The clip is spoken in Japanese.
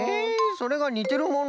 それがにてるもの？